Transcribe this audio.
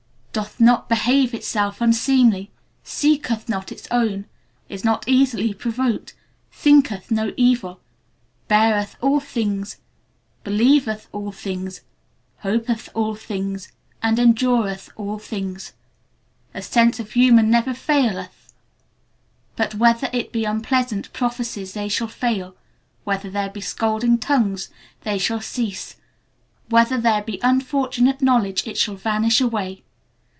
Doth not behave itself Unseemly, seeketh not its own, is not easily provoked, thinketh no evil Beareth all things, believeth all things, hopeth all things, endureth all things. A Sense of Humor never faileth. But whether there be unpleasant prophecies they shall fail, whether there be scolding tongues they shall cease, whether there be unfortunate knowledge it shall vanish away.